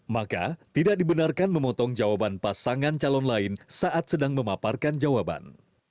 maka tidak dibenarkan memotong jawaban pasangan calon lain saat sedang memaparkan jawaban